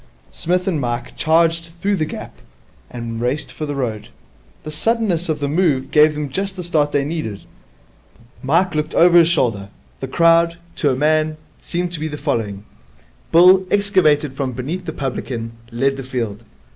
Psmith and Mike charged through the gap, and raced for the road. The suddenness of the move gave them just the start they needed. Mike looked over his shoulder. The crowd, to a man, seemed to be following. Bill, excavated from beneath the publican, led the field.